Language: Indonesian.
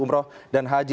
umroh dan haji